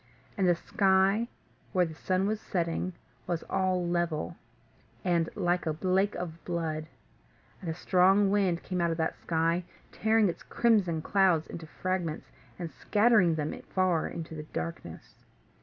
And the sky where the sun was setting was all level, and like a lake of blood; and a strong wind came out of that sky, tearing its crimson clouds into fragments, and scattering them far into the darkness.